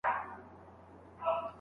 کومه ميرمن په نیت کې طلاقه کیږي؟